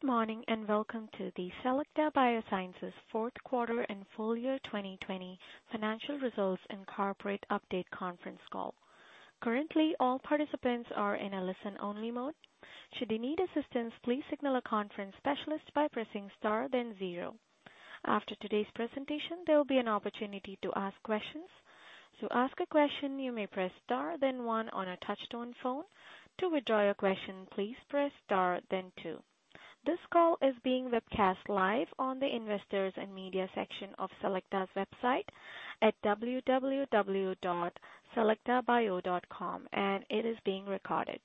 Good morning, and welcome to the Selecta Biosciences fourth quarter and full year 2020 financial results and corporate update conference call. Currenty all participants are in listen mode-only. If you need assistance, please signal a conference specialist by pressing star then zero. After today's presentation, there will be an opportunity to ask questions. This call is being webcast live on the Investors and Media section of Selecta's website at www.selectabio.com, and it is being recorded.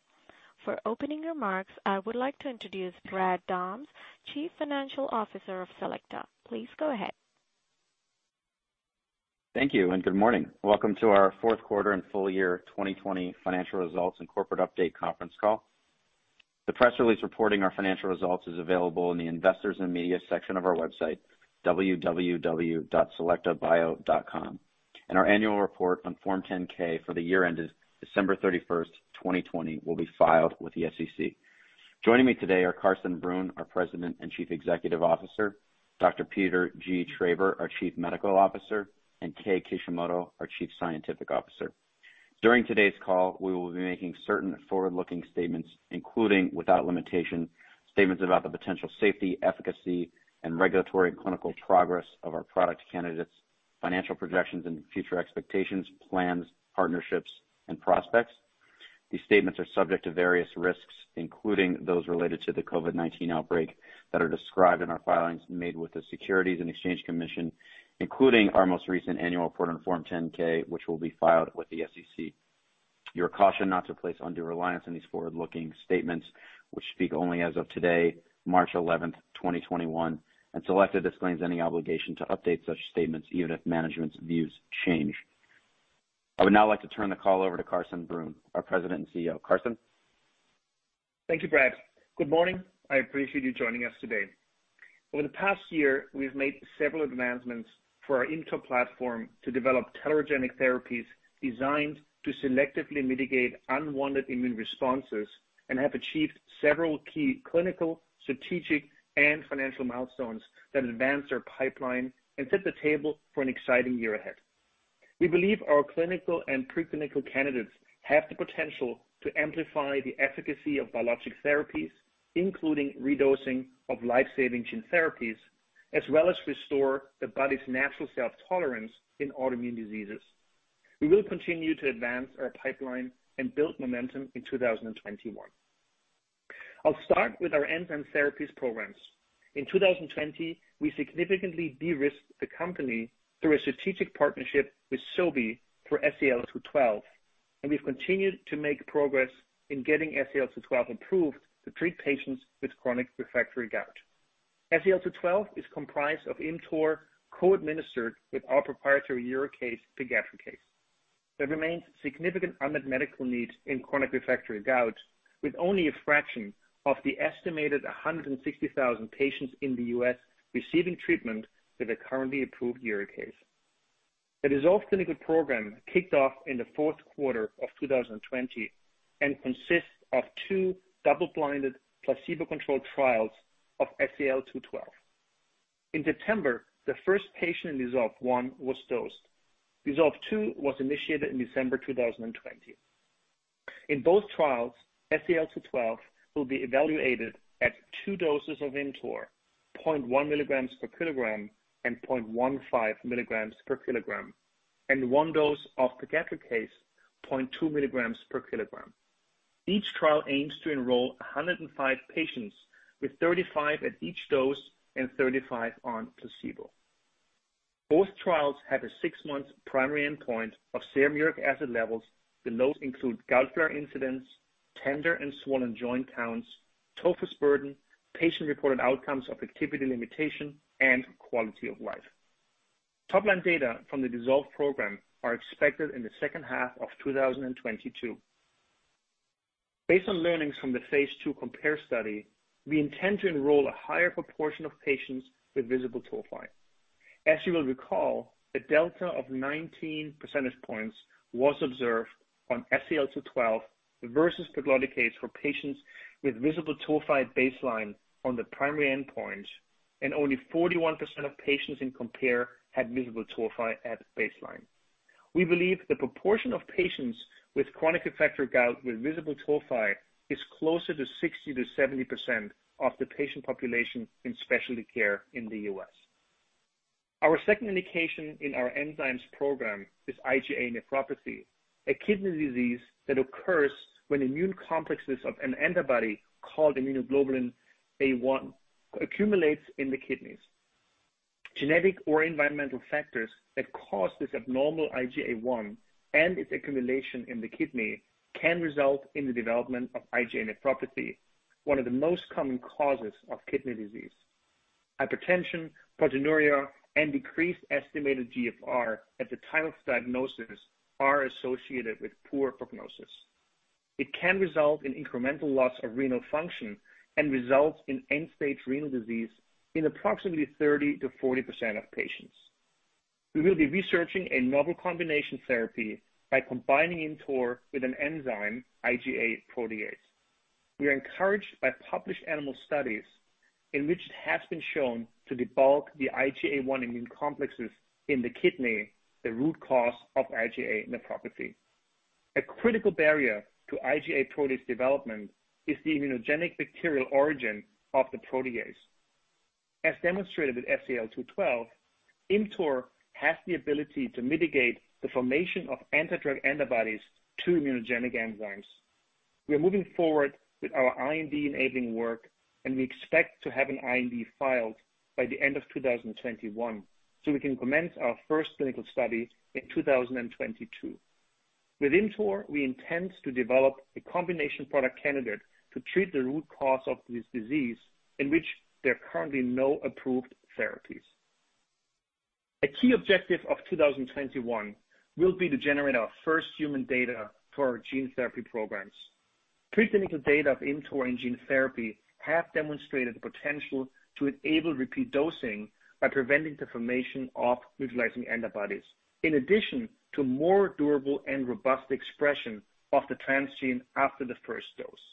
For opening remarks, I would like to introduce Brad Dahms, Chief Financial Officer of Selecta. Please go ahead. Thank you, and good morning. Welcome to our fourth quarter and full year 2020 financial results and corporate update conference call. The press release reporting our financial results is available in the Investors and Media section of our website, www.selectabio.com. Our annual report on Form 10-K for the year ended December 31st, 2020, will be filed with the SEC. Joining me today are Carsten Brunn, our President and Chief Executive Officer, Dr. Peter G. Traber, our Chief Medical Officer, and Kei Kishimoto, our Chief Scientific Officer. During today's call, we will be making certain forward-looking statements, including, without limitation, statements about the potential safety, efficacy and regulatory and clinical progress of our product candidates, financial projections and future expectations, plans, partnerships and prospects. These statements are subject to various risks, including those related to the COVID-19 outbreak that are described in our filings made with the Securities and Exchange Commission, including our most recent annual report on Form 10-K, which will be filed with the SEC. You are cautioned not to place undue reliance on these forward-looking statements, which speak only as of today, March 11th, 2021, and Selecta disclaims any obligation to update such statements, even if management's views change. I would now like to turn the call over to Carsten Brunn, our President and CEO. Carsten? Thank you, Brad. Good morning. I appreciate you joining us today. Over the past year, we've made several advancements for our ImmTOR platform to develop tolerogenic therapies designed to selectively mitigate unwanted immune responses, and have achieved several key clinical, strategic, and financial milestones that advance our pipeline and set the table for an exciting year ahead. We believe our clinical and pre-clinical candidates have the potential to amplify the efficacy of biologic therapies, including re-dosing of life-saving gene therapies, as well as restore the body's natural self-tolerance in autoimmune diseases. We will continue to advance our pipeline and build momentum in 2021. I'll start with our enzyme therapies programs. In 2020, we significantly de-risked the company through a strategic partnership with Sobi for SEL-212, and we've continued to make progress in getting SEL-212 approved to treat patients with chronic refractory gout. SEL-212 is comprised of ImmTOR co-administered with our proprietary uricase, pegadricase. There remains significant unmet medical needs in chronic refractory gout, with only a fraction of the estimated 160,000 patients in the U.S. receiving treatment with a currently approved uricase. The DISSOLVE clinical program kicked off in the fourth quarter of 2020 and consists of two double-blinded, placebo-controlled trials of SEL-212. In September, the first patient in DISSOLVE I was dosed. DISSOLVE II was initiated in December 2020. In both trials, SEL-212 will be evaluated at two doses of ImmTOR, 0.1 milligrams per kilogram and 0.15 milligrams per kilogram, and one dose of pegadricase, 0.2 milligrams per kilogram. Each trial aims to enroll 105 patients, with 35 at each dose and 35 on placebo. Both trials have a six-month primary endpoint of serum uric acid levels, and those include gout flare incidents, tender and swollen joint counts, tophus burden, patient-reported outcomes of activity limitation, and quality of life. Top-line data from the DISSOLVE program are expected in the second half of 2022. Based on learnings from the phase II COMPARE study, we intend to enroll a higher proportion of patients with visible tophi. As you will recall, a delta of 19 percentage points was observed on SEL-212 versus pegloticase for patients with visible tophi at baseline on the primary endpoint, and only 41% of patients in COMPARE had visible tophi at baseline. We believe the proportion of patients with chronic refractory gout with visible tophi is closer to 60%-70% of the patient population in specialty care in the U.S. Our second indication in our enzymes program is IgA nephropathy, a kidney disease that occurs when immune complexes of an antibody called immunoglobulin A1 accumulates in the kidneys. Genetic or environmental factors that cause this abnormal IgA1 and its accumulation in the kidney can result in the development of IgA nephropathy, one of the most common causes of kidney disease. Hypertension, proteinuria, and decreased estimated GFR at the time of diagnosis are associated with poor prognosis. It can result in incremental loss of renal function and result in end-stage renal disease in approximately 30%-40% of patients. We will be researching a novel combination therapy by combining ImmTOR with an enzyme, IgA protease. We are encouraged by published animal studies in which it has been shown to debulk the IgA1 immune complexes in the kidney, the root cause of IgA nephropathy. A critical barrier to IgA protease development is the immunogenic bacterial origin of the protease. As demonstrated with SEL-212, ImmTOR has the ability to mitigate the formation of anti-drug antibodies to immunogenic enzymes. We are moving forward with our IND-enabling work, and we expect to have an IND filed by the end of 2021, so we can commence our first clinical study in 2022. With ImmTOR, we intend to develop a combination product candidate to treat the root cause of this disease, in which there are currently no approved therapies. A key objective of 2021 will be to generate our first human data for our gene therapy programs. Preclinical data of ImmTOR in gene therapy have demonstrated the potential to enable repeat dosing by preventing the formation of neutralizing antibodies, in addition to more durable and robust expression of the transgene after the first dose.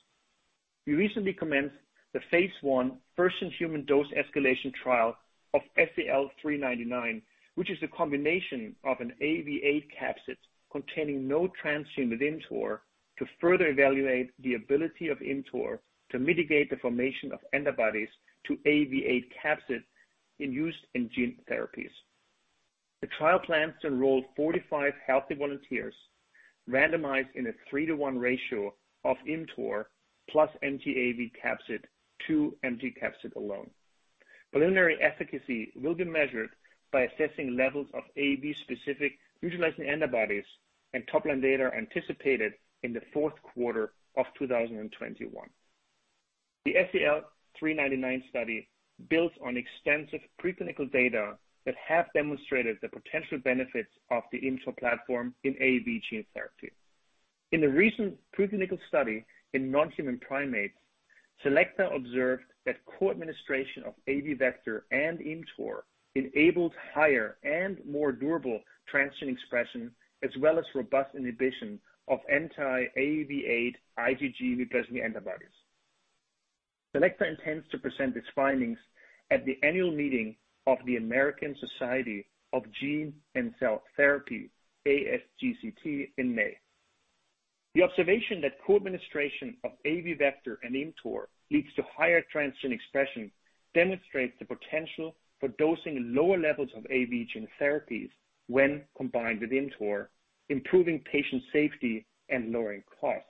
We recently commenced the phase I, first-in-human dose escalation trial of SEL-399, which is a combination of an AAV8 capsid containing no transgene with ImmTOR to further evaluate the ability of ImmTOR to mitigate the formation of antibodies to AAV8 capsid in use in gene therapies. The trial plans to enroll 45 healthy volunteers randomized in a 3:1 ratio of ImmTOR plus empty AAV capsid to empty capsid alone. Preliminary efficacy will be measured by assessing levels of AAV-specific neutralizing antibodies and top-line data anticipated in the fourth quarter of 2021. The SEL-399 study builds on extensive preclinical data that have demonstrated the potential benefits of the ImmTOR platform in AAV gene therapy. In a recent preclinical study in non-human primates, Selecta observed that co-administration of AAV vector and ImmTOR enabled higher and more durable transgene expression, as well as robust inhibition of anti-AAV8 IgG neutralizing antibodies. Selecta intends to present its findings at the annual meeting of the American Society of Gene & Cell Therapy, ASGCT, in May. The observation that co-administration of AAV vector and ImmTOR leads to higher transgene expression demonstrates the potential for dosing lower levels of AAV gene therapies when combined with ImmTOR, improving patient safety and lowering cost.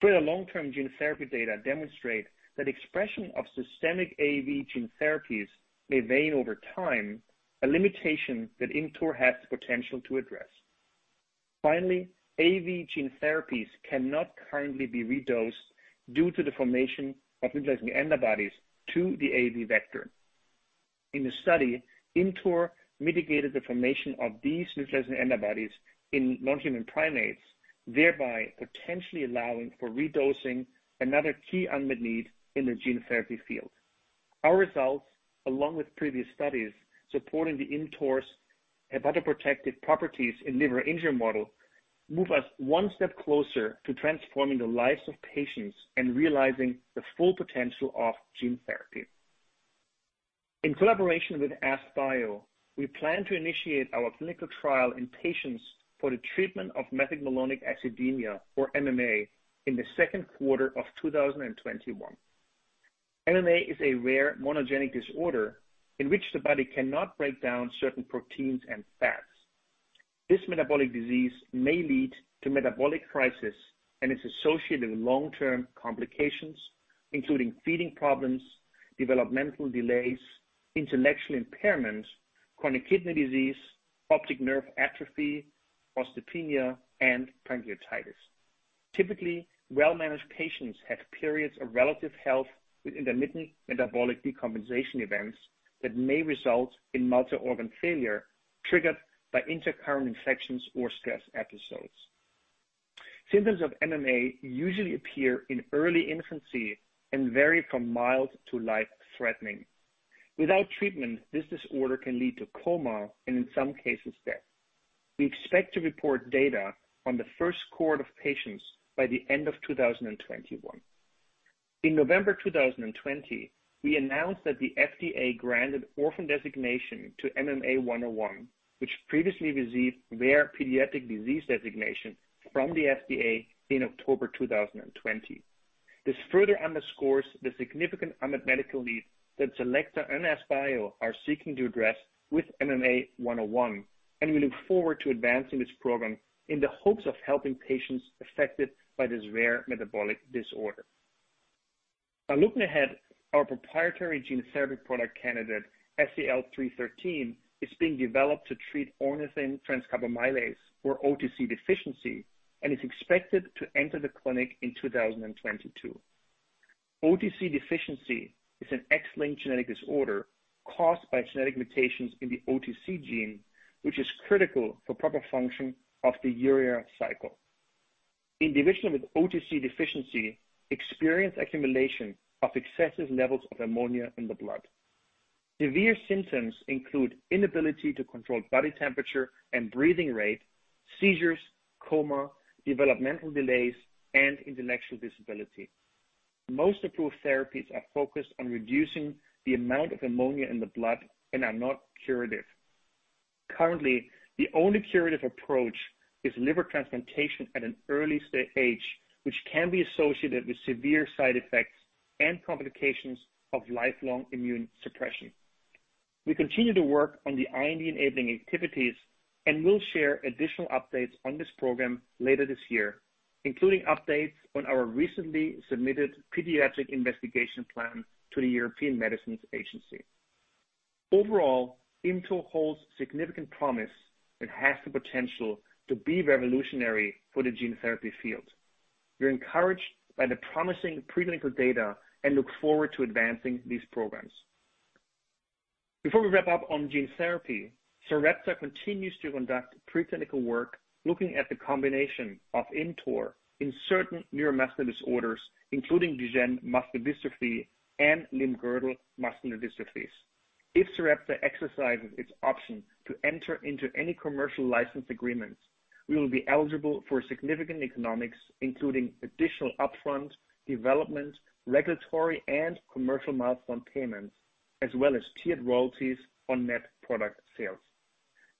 Further long-term gene therapy data demonstrate that expression of systemic AAV gene therapies may wane over time, a limitation that ImmTOR has the potential to address. Finally, AAV gene therapies cannot currently be redosed due to the formation of neutralizing antibodies to the AAV vector. In the study, ImmTOR mitigated the formation of these neutralizing antibodies in non-human primates, thereby potentially allowing for redosing another key unmet need in the gene therapy field. Our results, along with previous studies supporting the ImmTOR's hepatoprotective properties in liver injury models, move us one step closer to transforming the lives of patients and realizing the full potential of gene therapy. In collaboration with AskBio, we plan to initiate our clinical trial in patients for the treatment of methylmalonic acidemia, or MMA, in the second quarter of 2021. MMA is a rare monogenic disorder in which the body cannot break down certain proteins and fats. This metabolic disease may lead to metabolic crisis and is associated with long-term complications, including feeding problems, developmental delays, intellectual impairments, chronic kidney disease, optic nerve atrophy, osteopenia, and pancreatitis. Typically, well-managed patients have periods of relative health with intermittent metabolic decompensation events that may result in multi-organ failure triggered by intercurrent infections or stress episodes. Symptoms of MMA usually appear in early infancy and vary from mild to life-threatening. Without treatment, this disorder can lead to coma and, in some cases, death. We expect to report data on the first cohort of patients by the end of 2021. In November 2020, we announced that the FDA granted orphan designation to MMA-101, which previously received rare pediatric disease designation from the FDA in October 2020. This further underscores the significant unmet medical need that Selecta and AskBio are seeking to address with MMA-101, and we look forward to advancing this program in the hopes of helping patients affected by this rare metabolic disorder. Looking ahead, our proprietary gene therapy product candidate, SEL-313, is being developed to treat ornithine transcarbamylase, or OTC deficiency, and is expected to enter the clinic in 2022. OTC deficiency is an X-linked genetic disorder caused by genetic mutations in the OTC gene, which is critical for proper function of the urea cycle. Individuals with OTC deficiency experience accumulation of excessive levels of ammonia in the blood. Severe symptoms include inability to control body temperature and breathing rate, seizures, coma, developmental delays, and intellectual disability. Most approved therapies are focused on reducing the amount of ammonia in the blood and are not curative. Currently, the only curative approach is liver transplantation at an early stage age, which can be associated with severe side effects and complications of lifelong immune suppression. We continue to work on the IND-enabling activities and will share additional updates on this program later this year, including updates on our recently submitted Paediatric Investigation Plan to the European Medicines Agency. Overall, ImmTOR holds significant promise and has the potential to be revolutionary for the gene therapy field. We're encouraged by the promising preclinical data and look forward to advancing these programs. Before we wrap up on gene therapy, Sarepta continues to conduct preclinical work looking at the combination of ImmTOR in certain neuromuscular disorders, including Duchenne Muscular Dystrophy and Limb Girdle Muscular Dystrophies. If Sarepta exercises its option to enter into any commercial license agreements, we will be eligible for significant economics, including additional upfront, development, regulatory, and commercial milestone payments, as well as tiered royalties on net product sales.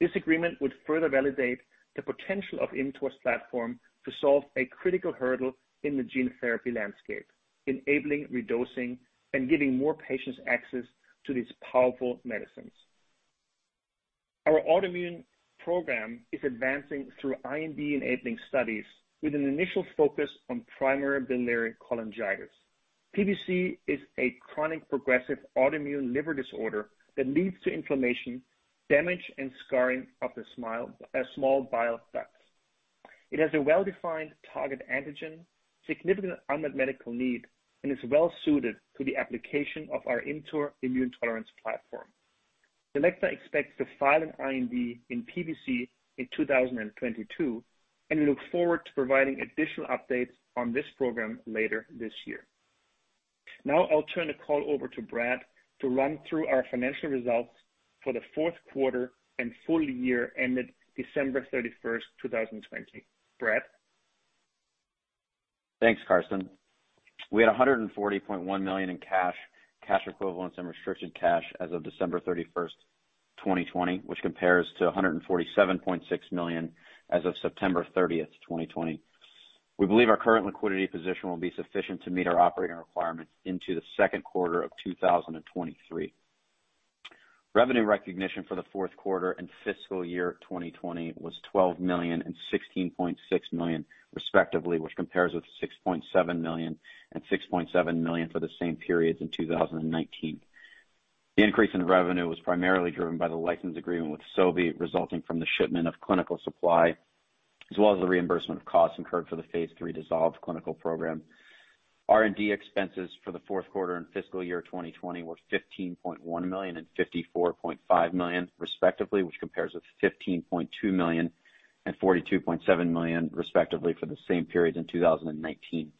This agreement would further validate the potential of ImmTOR's platform to solve a critical hurdle in the gene therapy landscape, enabling redosing and giving more patients access to these powerful medicines. Our autoimmune program is advancing through IND-enabling studies with an initial focus on primary biliary cholangitis. PBC is a chronic progressive autoimmune liver disorder that leads to inflammation, damage, and scarring of the small bile ducts. It has a well-defined target antigen, significant unmet medical need, and is well-suited to the application of our ImmTOR immune tolerance platform. Selecta expects to file an IND in PBC in 2022 and look forward to providing additional updates on this program later this year. Now, I'll turn the call over to Brad to run through our financial results for the fourth quarter and full year ended December 31st, 2020. Brad? Thanks, Carsten. We had $140.1 million in cash equivalents, and restricted cash as of December 31st, 2020, which compares to $147.6 million as of September 30th, 2020. We believe our current liquidity position will be sufficient to meet our operating requirements into the second quarter of 2023. Revenue recognition for the fourth quarter and fiscal year 2020 was $12 million and $16.6 million respectively, which compares with $6.7 million and $6.7 million for the same periods in 2019. The increase in revenue was primarily driven by the license agreement with Sobi, resulting from the shipment of clinical supply as well as the reimbursement of costs incurred for the phase III DISSOLVE clinical program. R&D expenses for the fourth quarter and fiscal year 2020 were $15.1 million and $54.5 million respectively, which compares with $15.2 million and $42.7 million respectively for the same periods in 2019.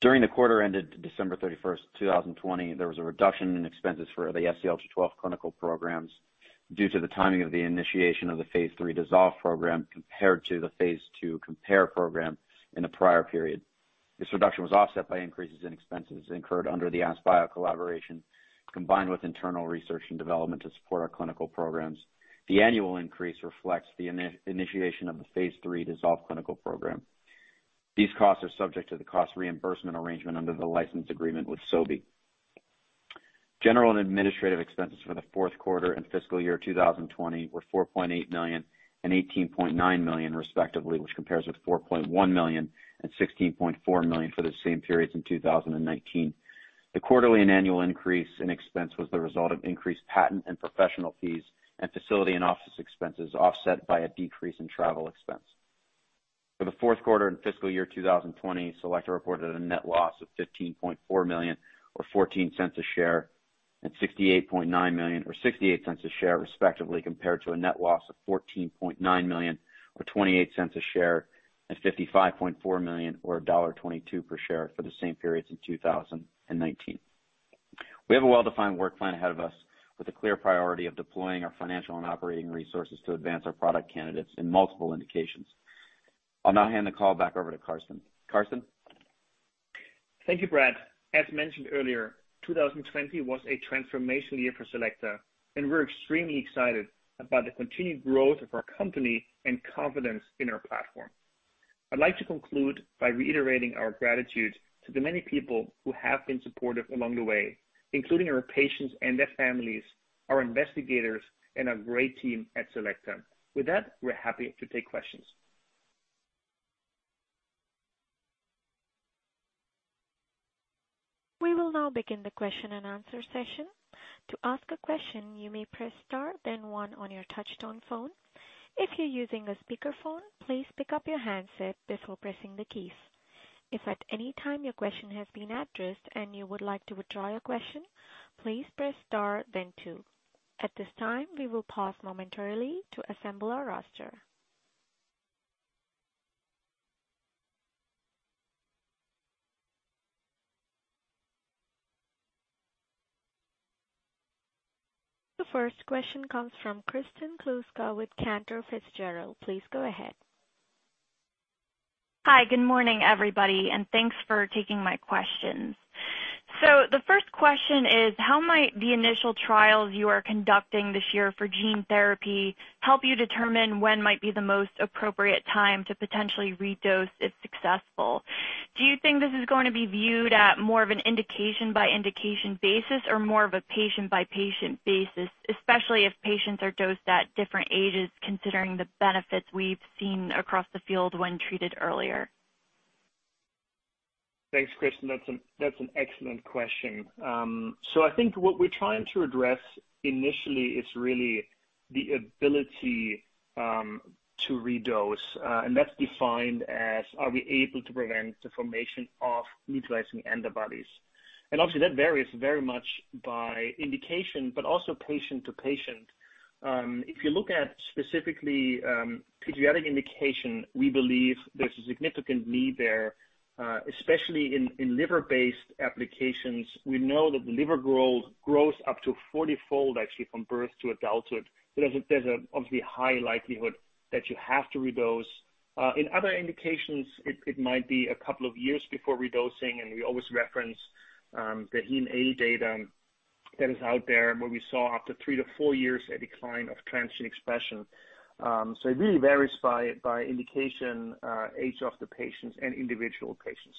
During the quarter ended December 31st, 2020, there was a reduction in expenses for the SEL-212 clinical programs due to the timing of the initiation of the phase III DISSOLVE program compared to the phase II COMPARE program in the prior period. This reduction was offset by increases in expenses incurred under the AskBio collaboration, combined with internal research and development to support our clinical programs. The annual increase reflects the initiation of the phase III DISSOLVE clinical program. These costs are subject to the cost reimbursement arrangement under the license agreement with Sobi. General and administrative expenses for the fourth quarter and fiscal year 2020 were $4.8 million and $18.9 million respectively, which compares with $4.1 million and $16.4 million for the same periods in 2019. The quarterly and annual increase in expense was the result of increased patent and professional fees and facility and office expenses, offset by a decrease in travel expense. For the fourth quarter and fiscal year 2020, Selecta reported a net loss of $15.4 million or $0.14 a share and $68.9 million or $0.68 a share respectively, compared to a net loss of $14.9 million or $0.28 a share and $55.4 million or $1.22 per share for the same periods in 2019. We have a well-defined work plan ahead of us with a clear priority of deploying our financial and operating resources to advance our product candidates in multiple indications. I'll now hand the call back over to Carsten. Carsten? Thank you, Brad. As mentioned earlier, 2020 was a transformational year for Selecta, and we're extremely excited about the continued growth of our company and confidence in our platform. I'd like to conclude by reiterating our gratitude to the many people who have been supportive along the way, including our patients and their families, our investigators, and our great team at Selecta. With that, we're happy to take questions. We will now begin the question and answer session. To ask a question you may press star then one on your touch-tone phone. If your using a speakerphone, please pick up your handset before pressing the keys. If at any time your question has been answered and you would like to withdraw your question, please press star then two. At this time, we will pause momentarily to assemble our roster. The first question comes from Kristen Kluska with Cantor Fitzgerald. Please go ahead. Hi, good morning, everybody, and thanks for taking my questions. The first question is, how might the initial trials you are conducting this year for gene therapy help you determine when might be the most appropriate time to potentially redose if successful? Do you think this is going to be viewed at more of an indication-by-indication basis or more of a patient-by-patient basis, especially if patients are dosed at different ages, considering the benefits we've seen across the field when treated earlier? Thanks, Kristen. That's an excellent question. I think what we're trying to address initially is really the ability to redose. That's defined as are we able to prevent the formation of neutralizing antibodies? Obviously, that varies very much by indication, but also patient to patient. If you look at specifically pediatric indication, we believe there's a significant need there, especially in liver-based applications. We know that the liver grows up to 40-fold actually from birth to adulthood. There's obviously a high likelihood that you have to redose. In other indications, it might be a couple of years before redosing, and we always reference the HemA data that is out there, where we saw after three to four years a decline of transgene expression. It really varies by indication, age of the patients and individual patients.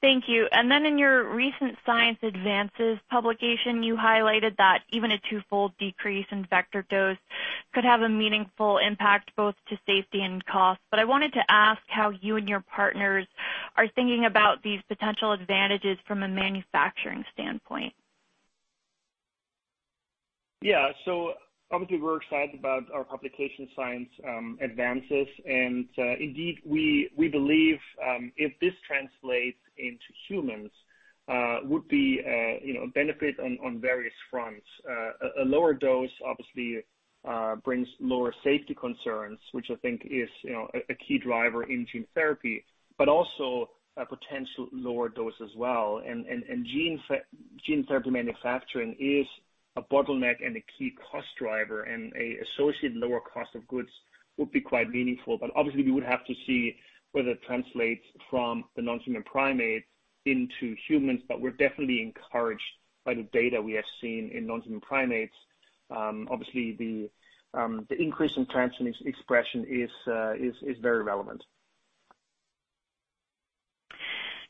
Thank you. In your recent Science Advances publication, you highlighted that even a twofold decrease in vector dose could have a meaningful impact both to safety and cost. I wanted to ask how you and your partners are thinking about these potential advantages from a manufacturing standpoint. Obviously, we're excited about our publication in Science Advances, and indeed, we believe, if this translates into humans, would benefit on various fronts. A lower dose obviously brings lower safety concerns, which I think is a key driver in gene therapy, but also a potential lower dose as well. Gene therapy manufacturing is a bottleneck and a key cost driver, and an associated lower cost of goods would be quite meaningful. Obviously we would have to see whether it translates from the non-human primate into humans. We're definitely encouraged by the data we have seen in non-human primates. Obviously, the increase in transgene expression is very relevant.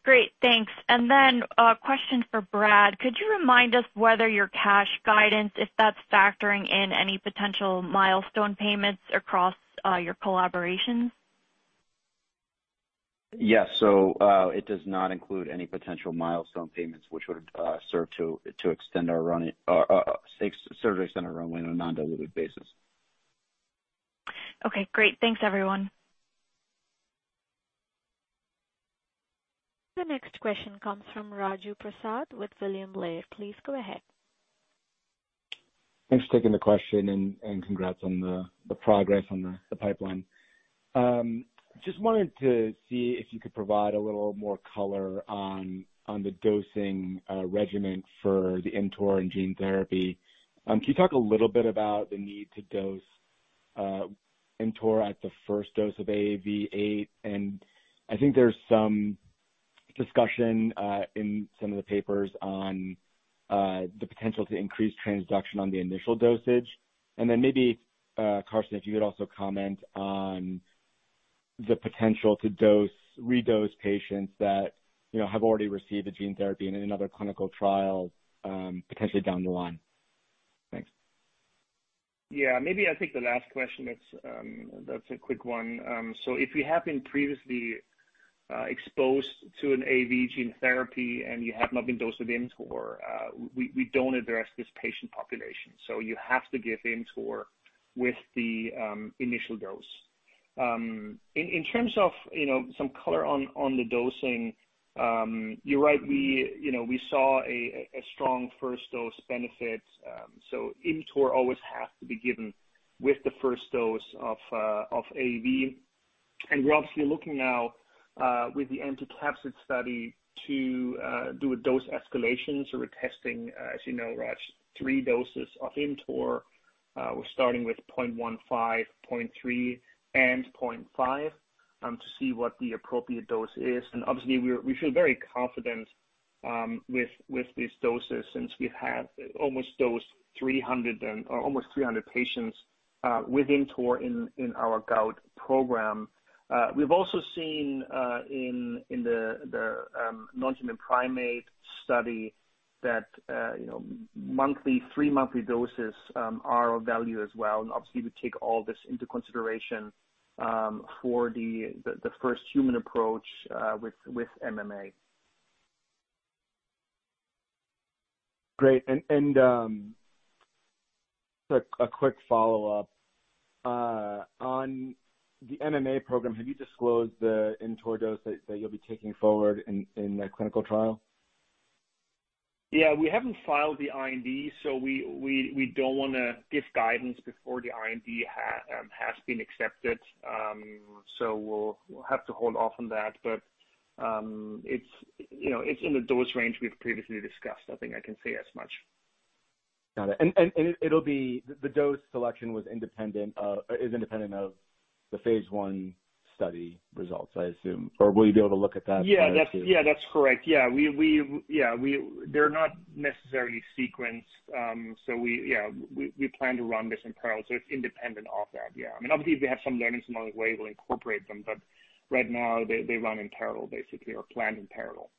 Great, thanks. A question for Brad. Could you remind us whether your cash guidance, if that's factoring in any potential milestone payments across your collaborations? Yes. It does not include any potential milestone payments which would serve to extend our runway on a non-dilutive basis. Okay, great. Thanks, everyone. The next question comes from Raju Prasad with William Blair. Please go ahead. Thanks for taking the question. Congrats on the progress on the pipeline. Wanted to see if you could provide a little more color on the dosing regimen for the ImmTOR and gene therapy. Can you talk a little bit about the need to dose ImmTOR at the first dose of AAV8? I think there's some discussion in some of the papers on the potential to increase transduction on the initial dosage. Maybe, Carsten, if you could also comment on the potential to redose patients that have already received a gene therapy in another clinical trial, potentially down the line. Thanks. Yeah, maybe I'll take the last question. That's a quick one. If you have been previously exposed to an AAV gene therapy and you have not been dosed with ImmTOR, we don't address this patient population. You have to give ImmTOR with the initial dose. In terms of some color on the dosing, you're right, we saw a strong first-dose benefit. ImmTOR always has to be given with the first dose of AAV. We're obviously looking now with the anticapsid study to do a dose escalation. We're testing, as you know, Raju, three doses of ImmTOR. We're starting with 0.15, 0.3, and 0.5 to see what the appropriate dose is. Obviously, we feel very confident with these doses since we have almost dosed 300 patients with ImmTOR in our gout program. We've also seen in the non-human primate study that three-monthly doses are of value as well. Obviously, we take all this into consideration for the first human approach with MMA. Great. A quick follow-up. On the MMA program, have you disclosed the ImmTOR dose that you'll be taking forward in the clinical trial? Yeah, we haven't filed the IND, so we don't want to give guidance before the IND has been accepted. We'll have to hold off on that. It's in the dose range we've previously discussed. I think I can say as much. Got it. The dose selection is independent of the phase I study results, I assume. Will you be able to look at that too? Yeah, that's correct. Yeah. They're not necessarily sequenced. We plan to run this in parallel, so it's independent of that, yeah. Obviously, if we have some learnings along the way, we'll incorporate them, but right now they run in parallel, basically, or planned in parallel.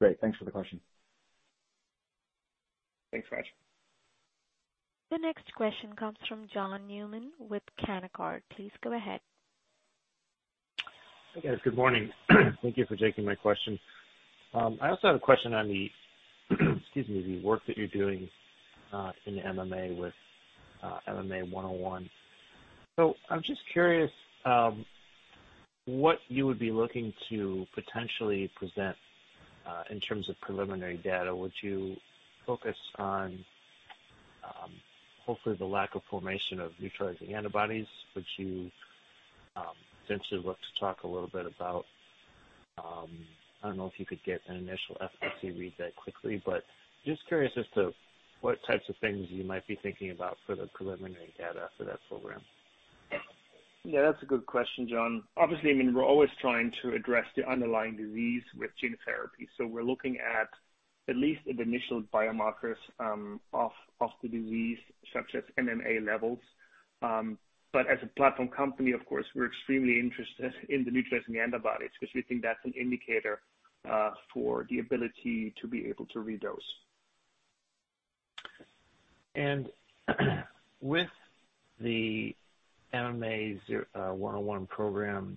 Great. Thanks for the question. Thanks, Raju. The next question comes from John Newman with Canaccord. Please go ahead. Hey, guys. Good morning. Thank you for taking my question. I also have a question on the, excuse me, work that you're doing in MMA with MMA-101. I'm just curious what you would be looking to potentially present in terms of preliminary data. Would you focus on hopefully the lack of formation of neutralizing antibodies? Would you potentially look to talk a little bit about, I don't know if you could get an initial efficacy read that quickly, but just curious as to what types of things you might be thinking about for the preliminary data for that program. Yeah, that's a good question, John. Obviously, we're always trying to address the underlying disease with gene therapy. We're looking at least at initial biomarkers of the disease such as MMA levels. As a platform company, of course, we're extremely interested in the neutralizing antibodies because we think that's an indicator for the ability to be able to redose. With the MMA-101 program,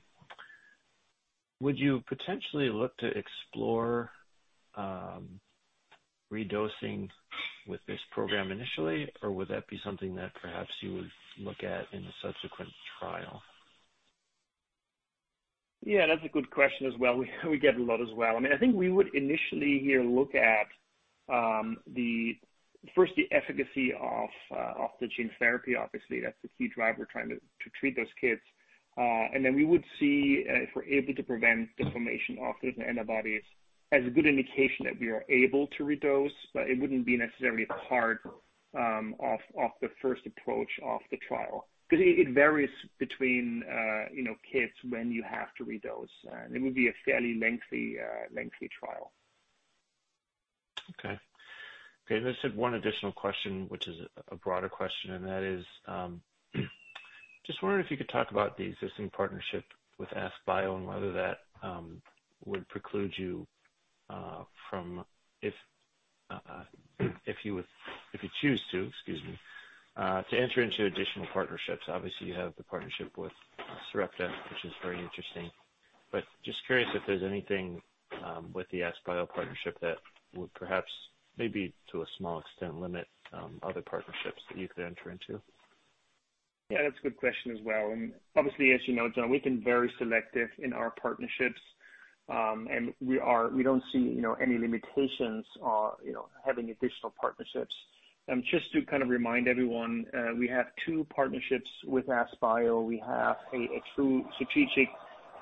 would you potentially look to explore redosing with this program initially, or would that be something that perhaps you would look at in a subsequent trial? Yeah, that's a good question as well. We get a lot as well. I think we would initially here look at first the efficacy of the gene therapy. Obviously, that's the key driver, trying to treat those kids. We would see if we're able to prevent the formation of those antibodies as a good indication that we are able to redose. It wouldn't be necessarily part of the first approach of the trial, because it varies between kids when you have to redose. It would be a fairly lengthy trial. Okay. I just have one additional question, which is a broader question. That is, just wondering if you could talk about the existing partnership with AskBio and whether that would preclude you from, if you choose to, excuse me, to enter into additional partnerships. Obviously, you have the partnership with Sarepta, which is very interesting. Just curious if there's anything with the AskBio partnership that would perhaps maybe to a small extent limit other partnerships that you could enter into. Yeah, that's a good question as well. Obviously, as you know, John, we've been very selective in our partnerships. We don't see any limitations having additional partnerships. Just to kind of remind everyone, we have two partnerships with AskBio. We have a true strategic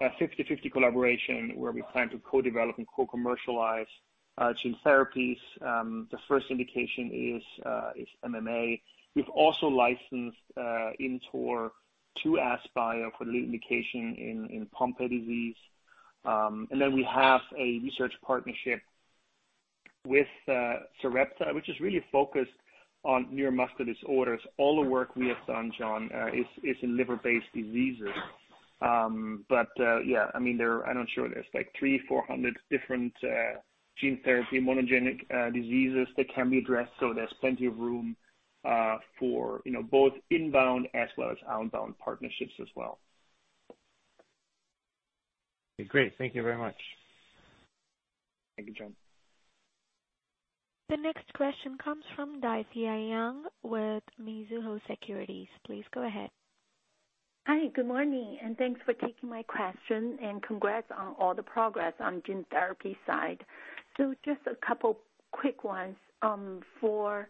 50/50 collaboration where we plan to co-develop and co-commercialize gene therapies. The first indication is MMA. We've also licensed ImmTOR to AskBio for lead indication in Pompe disease. We have a research partnership with Sarepta, which is really focused on neuromuscular disorders. All the work we have done, John, is in liver-based diseases. Yeah, I'm not sure there's like three, 400 different gene therapy monogenic diseases that can be addressed. There's plenty of room for both inbound as well as outbound partnerships as well. Great. Thank you very much. Thank you, John. The next question comes from Difei Yang with Mizuho Securities. Please go ahead. Hi, good morning, and thanks for taking my question, and congrats on all the progress on gene therapy side. Just a couple of quick ones. For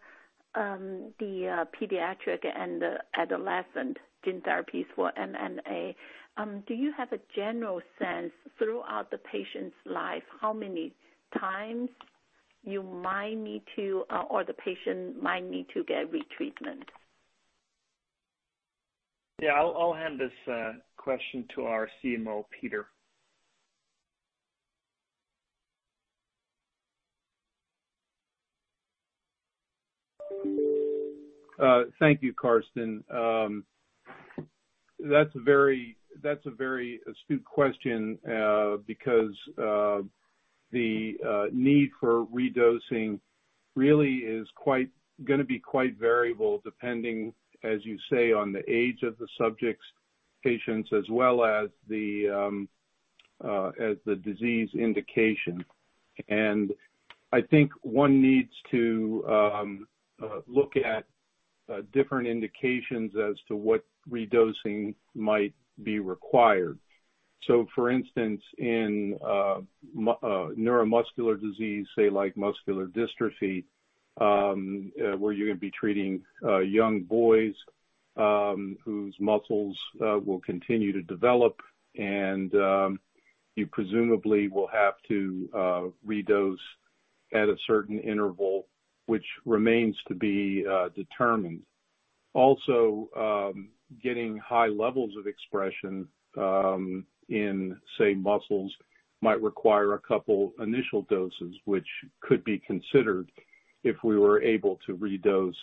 the pediatric and the adolescent gene therapies for MMA, do you have a general sense throughout the patient's life, how many times you might need to, or the patient might need to get retreatment? Yeah, I'll hand this question to our CMO, Peter. Thank you, Carsten. That's a very astute question. The need for redosing really is going to be quite variable, depending, as you say, on the age of the subjects, patients, as well as the disease indication. I think one needs to look at different indications as to what redosing might be required. For instance, in neuromuscular disease, say like muscular dystrophy, where you're going to be treating young boys whose muscles will continue to develop and you presumably will have to redose at a certain interval, which remains to be determined. Also, getting high levels of expression in, say, muscles might require a couple initial doses, which could be considered if we were able to redose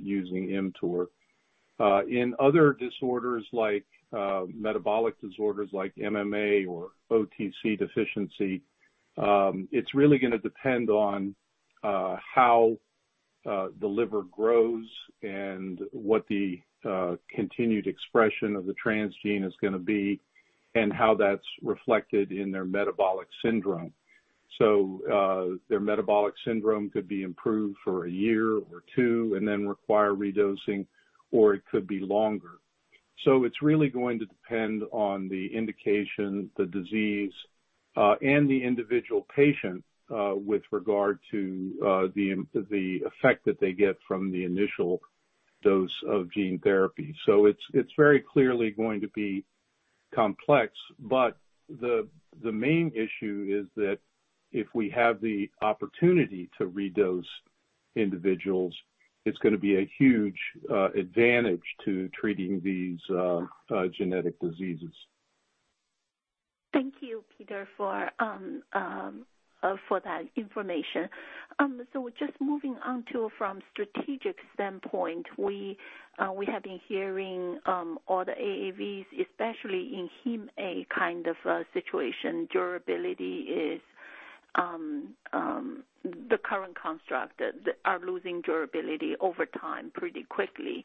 using ImmTOR. In other disorders like metabolic disorders like MMA or OTC deficiency, it's really going to depend on how the liver grows and what the continued expression of the transgene is going to be, and how that's reflected in their metabolic syndrome. Their metabolic syndrome could be improved for a year or two and then require redosing, or it could be longer. It's really going to depend on the indication, the disease, and the individual patient with regard to the effect that they get from the initial dose of gene therapy. It's very clearly going to be complex, but the main issue is that if we have the opportunity to redose individuals, it's going to be a huge advantage to treating these genetic diseases. Thank you, Peter, for that information. Just moving on from strategic standpoint, we have been hearing all the AAVs, especially in HemA kind of situation, the current construct are losing durability over time pretty quickly.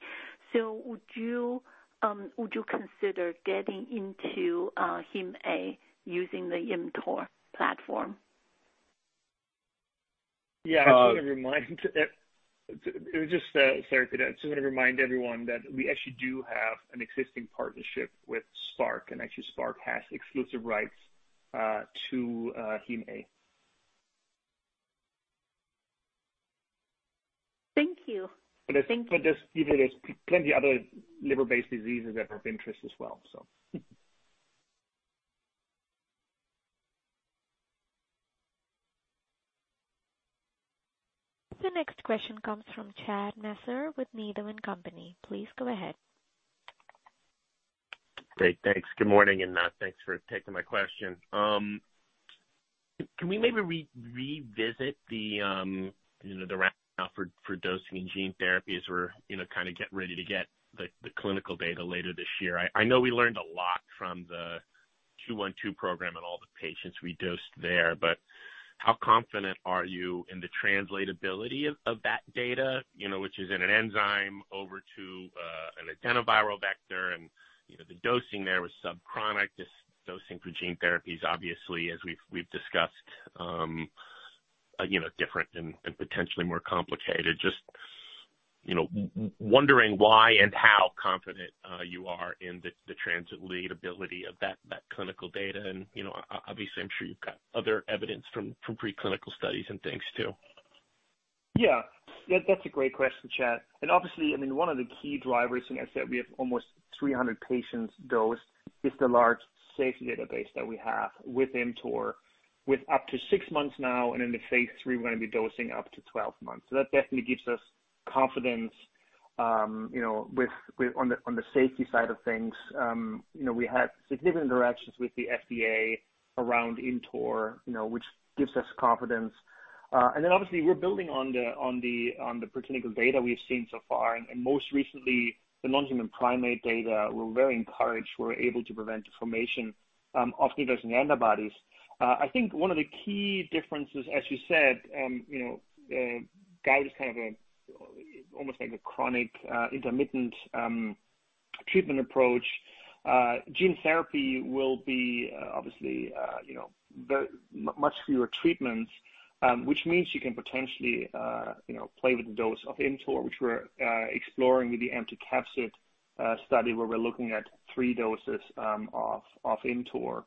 Would you consider getting into HemA using the ImmTOR platform? Yeah. Just to remind everyone that we actually do have an existing partnership with Spark, and actually Spark has exclusive rights to HemA. Thank you. I think there's plenty other liver-based diseases that have interest as well. The next question comes from Chad Messer with Needham & Company. Please go ahead. Great. Thanks. Good morning, and thanks for taking my question. Can we maybe revisit the for dosing in gene therapy as we're kind of getting ready to get the clinical data later this year? I know we learned a lot from the 212 program and all the patients we dosed there, but how confident are you in the translatability of that data, which is in an enzyme over to an adenoviral vector and the dosing there was subchronic, dosing for gene therapies, obviously, as we've discussed, different and potentially more complicated. Just wondering why and how confident you are in the translatability of that clinical data, and obviously, I'm sure you've got other evidence from preclinical studies and things too. Yeah. That's a great question, Chad. Obviously, one of the key drivers, and I said we have almost 300 patients dosed, is the large safety database that we have with ImmTOR with up to six months now, and into phase III, we're going to be dosing up to 12 months. That definitely gives us confidence on the safety side of things. We had significant interactions with the FDA around ImmTOR, which gives us confidence. Then obviously, we're building on the preclinical data we've seen so far, and most recently, the non-human primate data, we're very encouraged we're able to prevent the formation of neutralizing antibodies. I think one of the key differences, as you said, gout is kind of almost like a chronic intermittent treatment approach. Gene therapy will be obviously much fewer treatments, which means you can potentially play with the dose of ImmTOR, which we're exploring with the empty capsid study where we're looking at three doses of ImmTOR.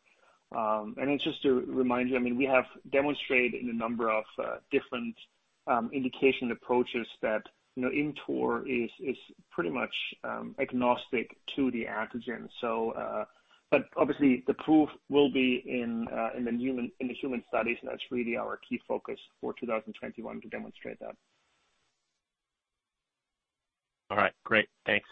Just to remind you, we have demonstrated in a number of different indication approaches that ImmTOR is pretty much agnostic to the antigen. Obviously, the proof will be in the human studies, and that's really our key focus for 2021 to demonstrate that. All right. Great. Thanks.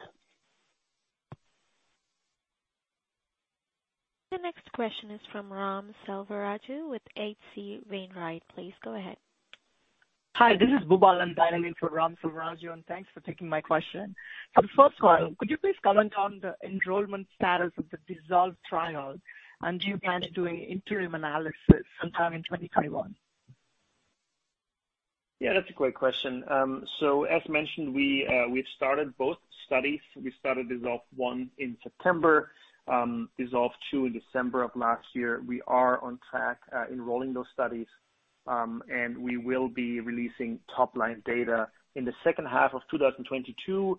The next question is from Ram Selvaraju with H.C. Wainwright. Please go ahead. Hi, this is Brendan Dunleavy for Ram Selvaraju, and thanks for taking my question. The first one, could you please comment on the enrollment status of the DISSOLVE trial, and do you plan to do an interim analysis sometime in 2021? Yeah, that's a great question. As mentioned, we've started both studies. We started DISSOLVE I in September, DISSOLVE II in December of last year. We are on track enrolling those studies, and we will be releasing top-line data in the second half of 2022.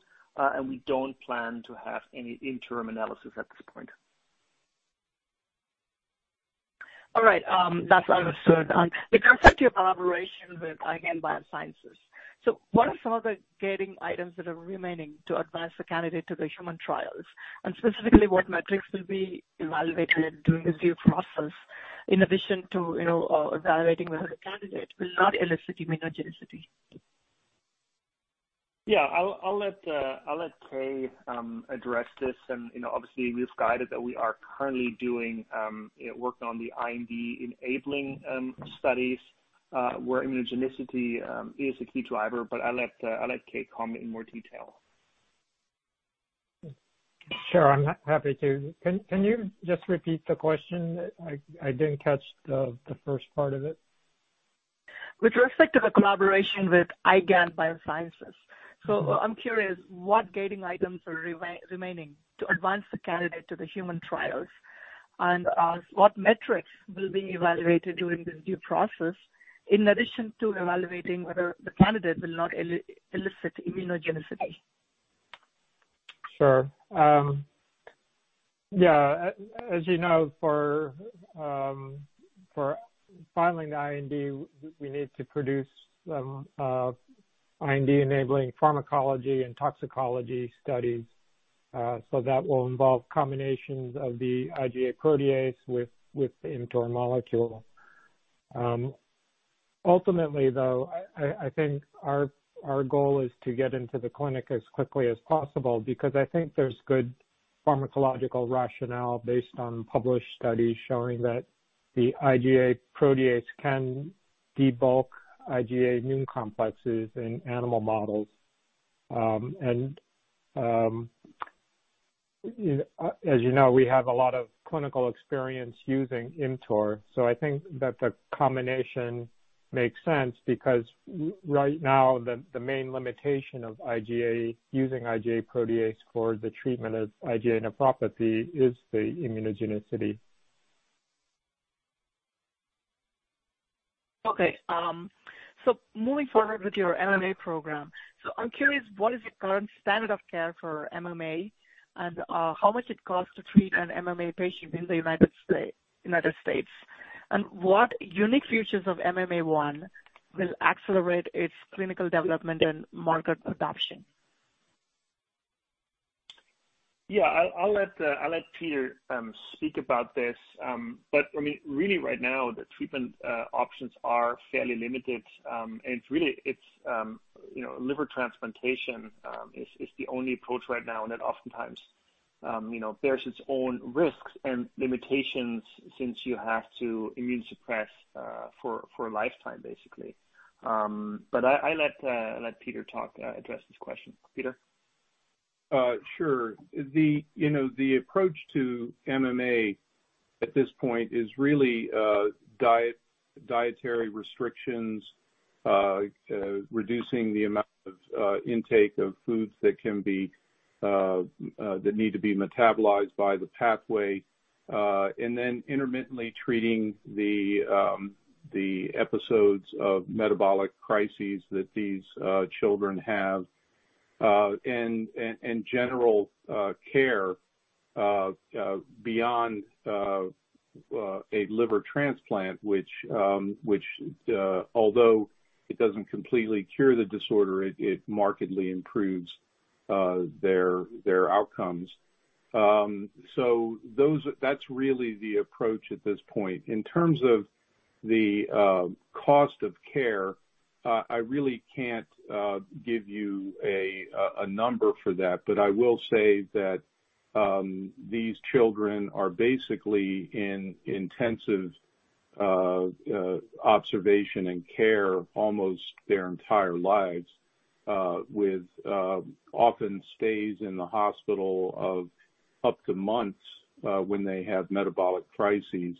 We don't plan to have any interim analysis at this point. All right. That's understood. With respect to your collaboration with IGAN Biosciences, what are some of the gating items that are remaining to advance the candidate to the human trials? Specifically, what metrics will be evaluated during this due process in addition to evaluating whether the candidate will not elicit immunogenicity? Yeah. I'll let Kei address this. Obviously we've guided that we are currently doing work on the IND-enabling studies, where immunogenicity is a key driver. I'll let Kei comment in more detail. Sure. I'm happy to. Can you just repeat the question? I didn't catch the first part of it. With respect to the collaboration with IGAN Biosciences, so I'm curious what gating items are remaining to advance the candidate to the human trials, and what metrics will be evaluated during this due process in addition to evaluating whether the candidate will not elicit immunogenicity? Sure. Yeah. As you know, for filing the IND, we need to produce some IND-enabling pharmacology and toxicology studies. That will involve combinations of the IgA protease with the ImmTOR molecule. Ultimately, though, I think our goal is to get into the clinic as quickly as possible, because I think there's good pharmacological rationale based on published studies showing that the IgA protease can debulk IgA immune complexes in animal models. As you know, we have a lot of clinical experience using ImmTOR, so I think that the combination makes sense because right now, the main limitation of using IgA protease for the treatment of IgA nephropathy is the immunogenicity. Okay. Moving forward with your MMA program. I am curious, what is the current standard of care for MMA and how much it costs to treat an MMA patient in the U.S.? What unique features of MMA-101 will accelerate its clinical development and market adoption? Yeah. I'll let Peter speak about this. I mean, really right now, the treatment options are fairly limited. It's liver transplantation is the only approach right now, and it oftentimes bears its own risks and limitations since you have to immune suppress for a lifetime, basically. I let Peter address this question. Peter? Sure. The approach to MMA at this point is really dietary restrictions, reducing the amount of intake of foods that need to be metabolized by the pathway, and then intermittently treating the episodes of metabolic crises that these children have, and general care beyond a liver transplant, which although it doesn't completely cure the disorder, it markedly improves their outcomes. That's really the approach at this point. In terms of the cost of care, I really can't give you a number for that, but I will say that these children are basically in intensive observation and care almost their entire lives, with often stays in the hospital of up to months when they have metabolic crises.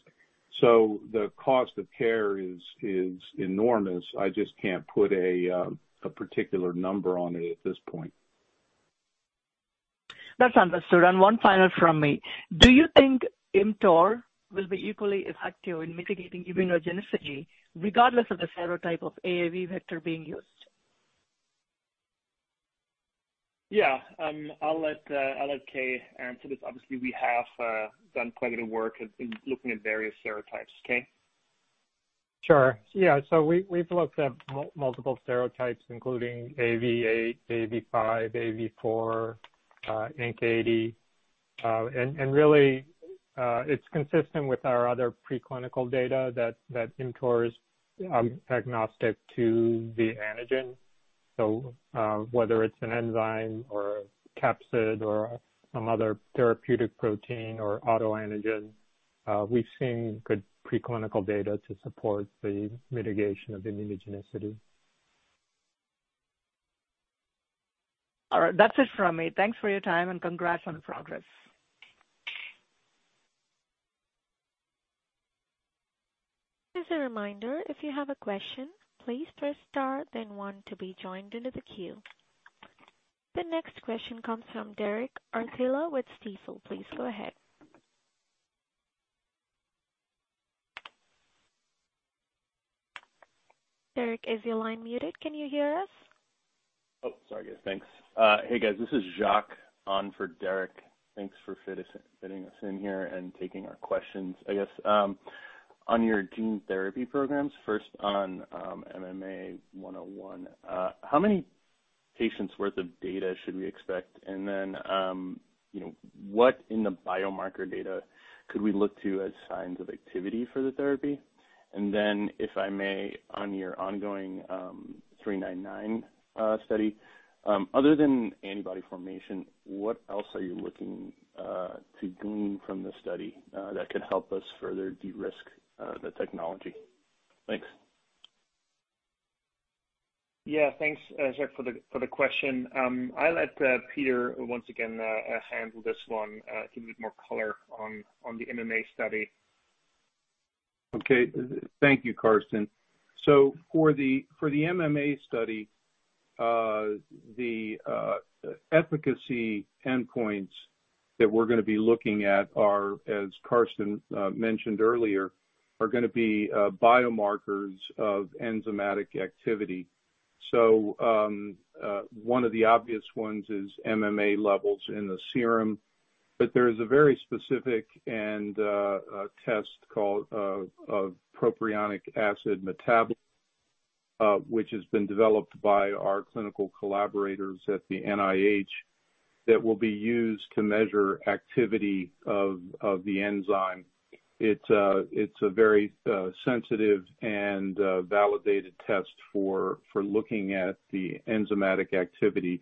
The cost of care is enormous. I just can't put a particular number on it at this point. That's understood. One final from me. Do you think ImmTOR will be equally effective in mitigating immunogenicity regardless of the serotype of AAV vector being used? Yeah. I'll let Kei answer this. Obviously, we have done quite a bit of work in looking at various serotypes. Kei? Sure. Yeah. We've looked at multiple serotypes, including AAV8, AAV5, AAV4, Anc80. Really, it's consistent with our other preclinical data that ImmTOR is agnostic to the antigen. Whether it's an enzyme or a capsid or some other therapeutic protein or autoantigen, we've seen good preclinical data to support the mitigation of immunogenicity. All right. That's it from me. Thanks for your time, and congrats on the progress. As a reminder, if you have a question, please press star then one to be joined into the queue. The next question comes from Derek Archila with Stifel. Please go ahead. Derek, is your line muted? Can you hear us? Oh, sorry guys. Thanks. Hey, guys. This is Jacques on for Derek. Thanks for fitting us in here and taking our questions. I guess, on your gene therapy programs, first on MMA-101, how many patients' worth of data should we expect? What in the biomarker data could we look to as signs of activity for the therapy? If I may, on your ongoing 399 study, other than antibody formation, what else are you looking to glean from the study that could help us further de-risk the technology? Thanks. Yeah, thanks, Jacques, for the question. I'll let Peter once again handle this one to give you more color on the MMA study. Okay. Thank you, Carsten. For the MMA study, the efficacy endpoints that we're going to be looking at are, as Carsten mentioned earlier, going to be biomarkers of enzymatic activity. One of the obvious ones is MMA levels in the serum, there is a very specific and test called a propionic acid metabolite, which has been developed by our clinical collaborators at the NIH that will be used to measure activity of the enzyme. It's a very sensitive and validated test for looking at the enzymatic activity,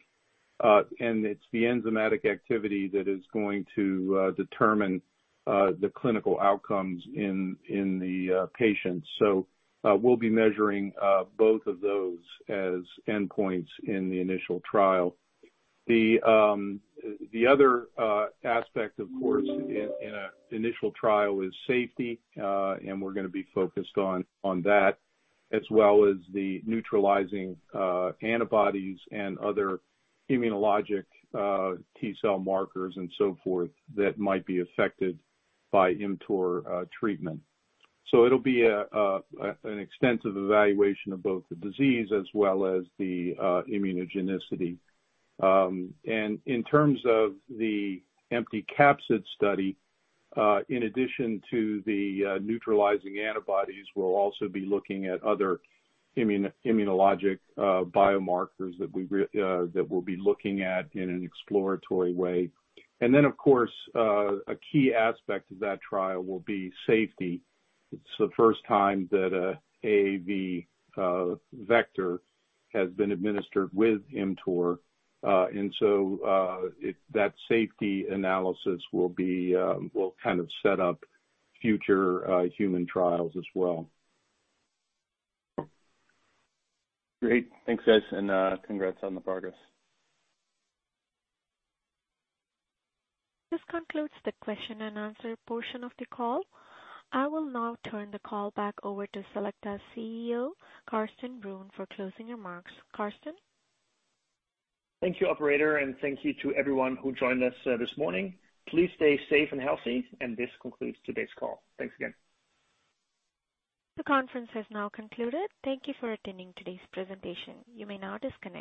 it's the enzymatic activity that is going to determine the clinical outcomes in the patients. We'll be measuring both of those as endpoints in the initial trial. The other aspect, of course, in an initial trial is safety, and we're going to be focused on that as well as the neutralizing antibodies and other immunologic T-cell markers and so forth that might be affected by mTOR treatment. It'll be an extensive evaluation of both the disease as well as the immunogenicity. In terms of the empty capsid study, in addition to the neutralizing antibodies, we'll also be looking at other immunologic biomarkers that we'll be looking at in an exploratory way. Of course, a key aspect of that trial will be safety. It's the first time that AAV vector has been administered with mTOR, and so that safety analysis will kind of set up future human trials as well. Great. Thanks, guys, and congrats on the progress. This concludes the question and answer portion of the call. I will now turn the call back over to Selecta CEO, Carsten Brunn, for closing remarks. Carsten? Thank you, operator, and thank you to everyone who joined us this morning. Please stay safe and healthy, and this concludes today's call. Thanks again. The conference has now concluded. Thank you for attending today's presentation. You may now disconnect.